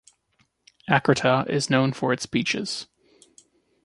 Akrata is known for its beaches.